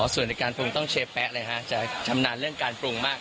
ส่วนในการปรุงต้องเชฟแป๊ะเลยฮะจะชำนาญเรื่องการปรุงมาก